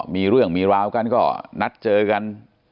มีเรื่องมีราวกันก็นัดเจอกัน